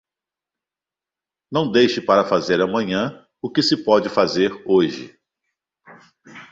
Não deixe para fazer amanhã o que se pode fazer hoje